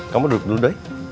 kamu duduk dulu doi